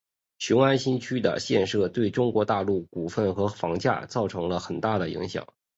雄安新区的设立对中国大陆股市和房价造成了很大的影响。